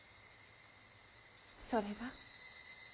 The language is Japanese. それが？